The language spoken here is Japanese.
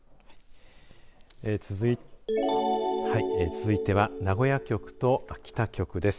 続いては名古屋局と秋田局です。